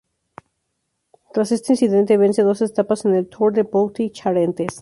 Tras este incidente vence dos etapas en el Tour de Poitou-Charentes.